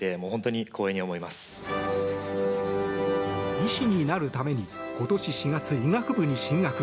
医師になるために今年４月、医学部に進学。